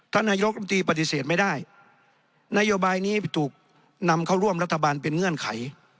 นายกรรมตรีปฏิเสธไม่ได้นโยบายนี้ถูกนำเข้าร่วมรัฐบาลเป็นเงื่อนไข